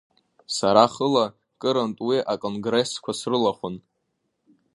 Сара хыла кырынтә уи аконгрессқәа срылахәын.